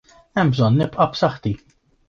Hemm bżonn nibqa' b'saħħti.